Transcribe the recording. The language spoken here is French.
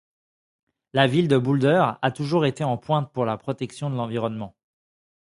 La ville de Boulder a toujours été en pointe pour la protection de l'environnement.